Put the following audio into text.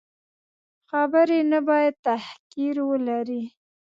خبرې نه باید تحقیر ولري.